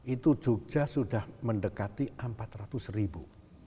itu jogja sudah mendekati empat ratus ribu